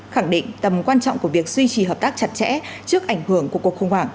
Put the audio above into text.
khẳng định tầm quan trọng của việc duy trì hợp tác chặt chẽ trước ảnh hưởng của cuộc khủng hoảng